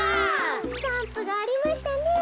スタンプがありましたねえ。